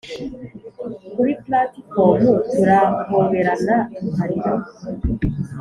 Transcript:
kuri platifomu turahoberana tukarira .